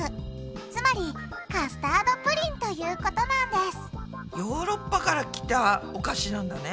つまり「カスタードプリン」ということなんですヨーロッパから来たお菓子なんだね。